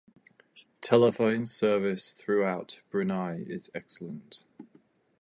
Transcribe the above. Telephone service throughout Brunei is excellent.